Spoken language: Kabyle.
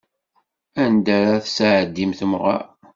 Anda ara tesɛeddim temɣeṛ?